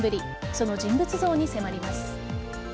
その人物像に迫ります。